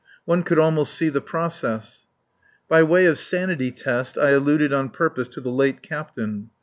One could almost see the process. By way of sanity test I alluded on purpose to the late captain.